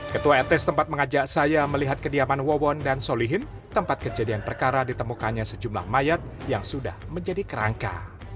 ketua rt setempat mengajak saya melihat kediaman wawon dan solihin tempat kejadian perkara ditemukannya sejumlah mayat yang sudah menjadi kerangka